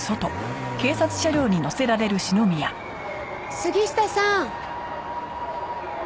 杉下さん！